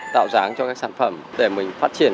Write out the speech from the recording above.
tạo dáng cho các sản phẩm để mình phát triển